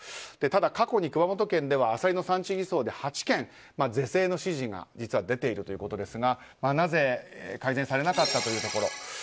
ただ過去に熊本県ではアサリの産地偽装で８件、是正の指示が実は出ているということですがなぜ改善されなかったというところ。